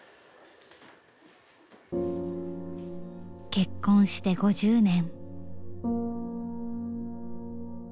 結婚して５０年。